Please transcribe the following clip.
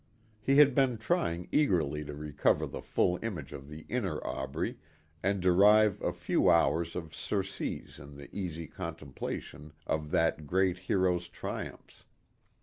He had been trying eagerly to recover the full image of the inner Aubrey and derive a few hours of surcease in the easy contemplation of that great hero's triumphs.